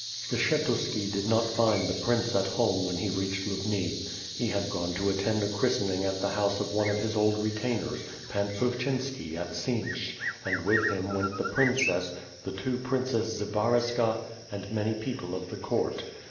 Skshetuski did not find the prince at home when he reached LuLni. He had gone to attend a christening at the house of one of his old retainers, Pan Suifchynski at Siench, and with him went the princess, the two princesses Zbaraska, and many people of the Court.